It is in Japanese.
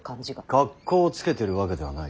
格好つけてるわけではない。